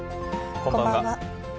こんばんは。